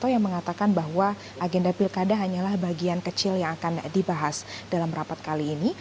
yang mengatakan bahwa agenda pilkada hanyalah bagian kecil yang akan dibahas dalam rapat kali ini